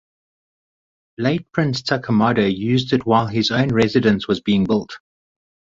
Late prince Takamado used it while his own residence was being built.